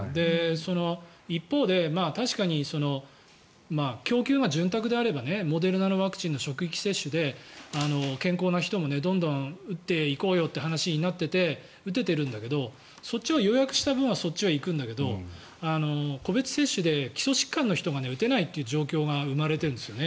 一方で確かに供給が潤沢であればモデルナのワクチンの職域接種で健康な人もどんどん打っていこうよという話になっていて打ててるんだけどそっちは予約した分はそっちは行くんだけど個別接種で基礎疾患の方が打てないという状況が生まれているんですよね。